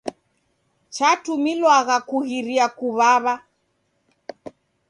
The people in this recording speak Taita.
Chatumilwagha kughiria kuw'aw'a.